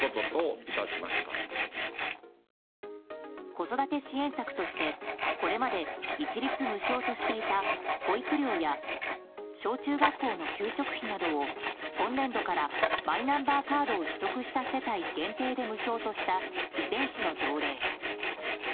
子育て支援策としてこれまで一律無償としていた保育料や小中学校の給食費などを今年度からマイナンバーカードを取得した世帯限定で無償とした備前市の条例。